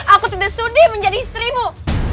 aku tidak studi menjadi istrimu